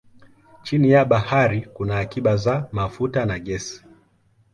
Chini ya bahari kuna akiba za mafuta na gesi.